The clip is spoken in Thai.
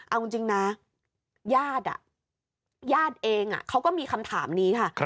เอาจริงนะญาติญาติเองเขาก็มีคำถามนี้ค่ะ